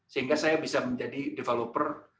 sehingga saya bisa menjadi developer